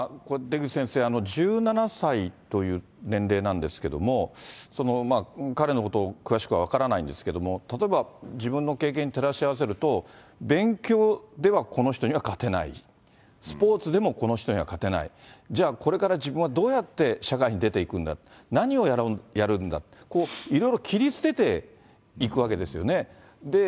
出口先生、１７歳という年齢なんですけども、彼のことを詳しくは分からないんですけれども、例えば自分の経験に照らし合わせると、勉強ではこの人には勝てない、スポーツでもこの人には勝てない、じゃあ、これから自分はどうやって社会に出ていくんだ、何をやるんだと、いろいろ切り捨てていくわけですよね。